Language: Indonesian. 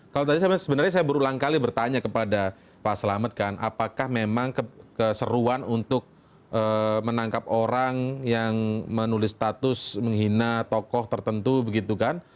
kalau tadi sebenarnya saya berulang kali bertanya kepada pak selamet kan apakah memang keseruan untuk menangkap orang yang menulis status menghina tokoh tertentu begitu kan